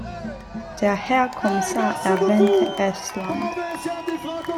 Der Herr Kommissar erwähnte Estland.